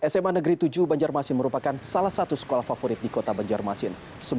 sma negeri tujuh banjarmasin merupakan salah satu sekolah favorit di kota banjarmasin